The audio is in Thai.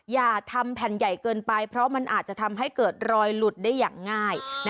อย่าทำแผ่นใหญ่เกินไปเพราะมันอาจจะทำให้เกิดรอยหลุดได้อย่างง่าย